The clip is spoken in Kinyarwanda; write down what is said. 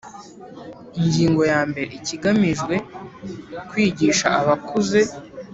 Igingo ya mbere Ikigamijwe kwigisha abakuze